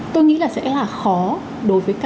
tôi nghĩ là sẽ là khó